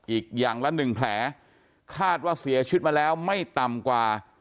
อีกอย่างละหนึ่งแผลคาดว่าเสียชีวิตมาแล้วไม่ต่ำกว่า